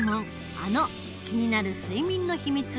あの気になる睡眠のひみつ